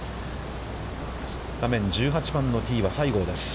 画面１８番のティーは西郷です。